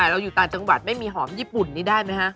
เราอยู่ต่างจังหวัดไม่มีหอมญี่ปุ่นนี้ได้ไหมฮะ